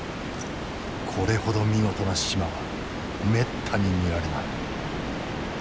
これほど見事な縞はめったに見られない。